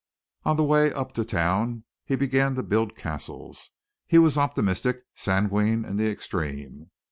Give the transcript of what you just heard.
On the way up to town he began to build castles. He was optimistic, sanguine in the extreme.